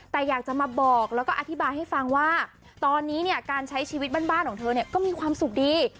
แต่อยากจะมาบอกแล้วก็อธิบายให้ฟังว่าตอนนี้เนี่ยการใช้ชีวิตบ้านของเธอเนี่ยก็มีความสุขดี